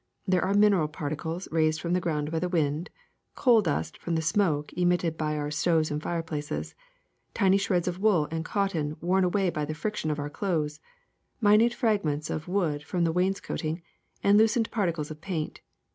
There are mineral particles raised from the ground by the wind, coal dust from the smoke emitted by our stoves and fireplaces, tiny shreds of wool and cotton worn away by the friction of our clothes, minute fragments of wood from the wainscoting, and loosened particles of paint.